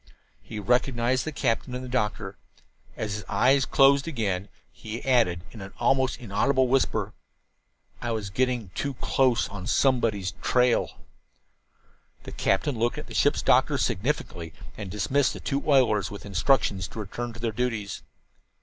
He recognized the captain and the doctor. As his eyes closed again he added, in an almost inaudible whisper: "I was getting too close on somebody's trail." The captain looked at the ship's doctor significantly and dismissed the two oilers with instructions to return to their duties.